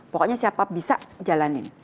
pokoknya siapa bisa jalanin